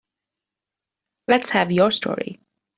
Let's have your story.